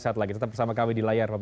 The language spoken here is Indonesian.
setelah ini tetap bersama kami di layar